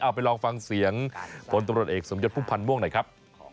ไปลองฟังเสียงพลตำรวจเอกสมยศพุ่มพันธ์ม่วงหน่อยครับ